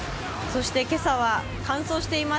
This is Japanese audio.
今朝は乾燥しています。